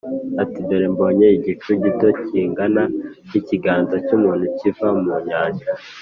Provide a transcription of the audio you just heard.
ati “Dore mbonye igicu gito kingana n’ikiganza cy’umuntu kiva mu nyanja”